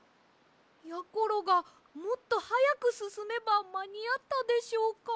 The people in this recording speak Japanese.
やころがもっとはやくすすめばまにあったでしょうか？